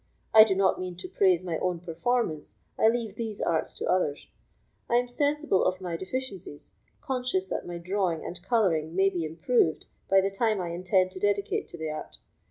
I do not mean to praise my own performance, I leave these arts to others; I am sensible of my deficiencies, conscious that my drawing and colouring may be improved by the time I intend to dedicate to the art.